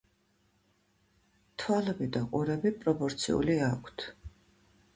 თვალები და ყურები პროპორციული აქვთ.